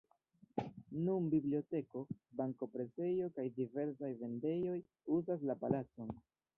Nun biblioteko, banko, presejo kaj diversaj vendejoj uzas la palacon.